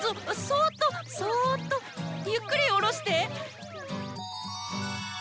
そっとそっとゆっくり下ろして。